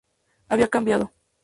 Había cambiado.